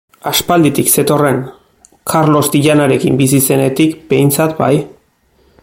Aspalditik zetorren, Karlos Dianarekin bizi zenetik, behintzat, bai.